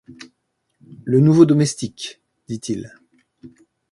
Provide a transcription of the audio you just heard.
Le nouveau domestique, » dit-il.